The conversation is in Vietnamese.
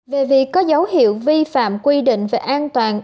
về việc có dấu hiệu vi phạm quy định về an toàn